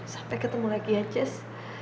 sampai ketemu lagi ya cez